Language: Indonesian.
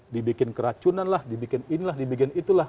dibikin keracunan lah dibikin inilah dibikin itulah